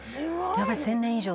「やっぱり１０００年以上」